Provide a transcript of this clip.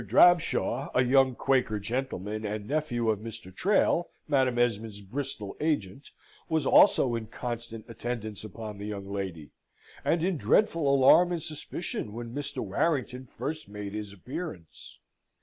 Drabshaw, a young Quaker gentleman, and nephew of Mr. Trail, Madam Esmond's Bristol agent, was also in constant attendance upon the young lady, and in dreadful alarm and suspicion when Mr. Warrington first made his appearance.